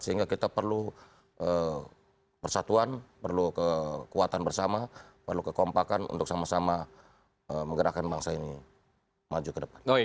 sehingga kita perlu persatuan perlu kekuatan bersama perlu kekompakan untuk sama sama menggerakkan bangsa ini maju ke depan